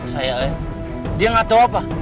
ke saya ya dia gak tau apa